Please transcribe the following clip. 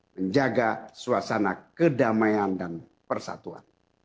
menjaga suasana kedamaian dan persatuan